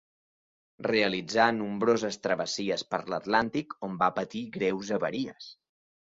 Realitzà nombroses travessies per l'Atlàntic on va patir greus avaries.